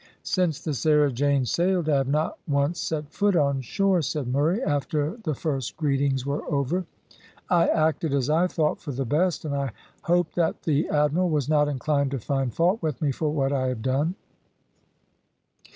"Since the Sarah Jane sailed, I have not once set foot on shore," said Murray, after the first greetings were over; "I acted, as I thought, for the best, and I hope that the admiral was not inclined to find fault with me for what I have done."